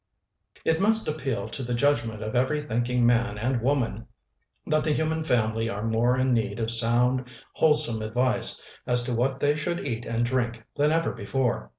It must appeal to the judgment of every thinking man and woman that the human family are more in need of sound, wholesome advice as to what they should eat and drink than ever before.